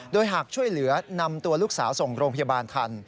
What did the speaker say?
โดยหากช่วยเหลือนำตัวลูกสาวส่งโรงพยาบาลทัน